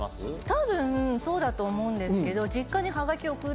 多分そうだと思うんですけど。